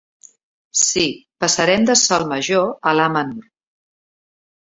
Sí, passarem de Sol major a La menor!